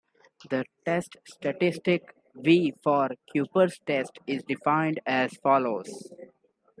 The test statistic, "V", for Kuiper's test is defined as follows.